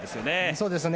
そうですね。